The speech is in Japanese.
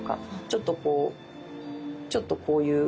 ちょっとこうちょっとこういう。